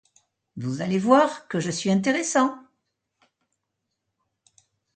Vous allez voir que je suis intéressant.